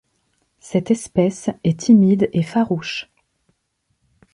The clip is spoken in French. Cette espèce est timide et farouche.